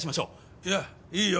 いやいいよ。